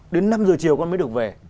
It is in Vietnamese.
đến năm h chiều con mới được về